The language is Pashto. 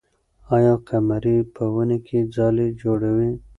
آیا قمري په ونې کې ځالۍ جوړوي؟